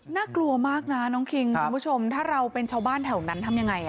น่ากลัวมากนะน้องคิงคุณผู้ชมถ้าเราเป็นชาวบ้านแถวนั้นทำยังไง